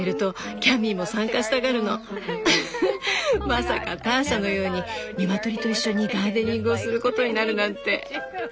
まさかターシャのように鶏と一緒にガーデニングをすることになるなんて！